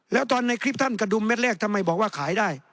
แล้วตอนในคลิปท่านกระดุมเม็ดแรกทำไมบอกว่าขายได้